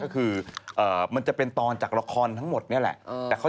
คือจะเป็นตอนจากละครทั้งหมดแหละ